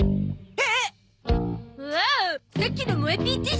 えっ！？